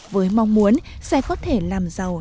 với mong muốn sẽ có thể làm giàu